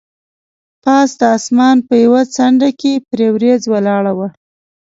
پاس د اسمان په یوه څنډه کې پرې وریځ ولاړه وه.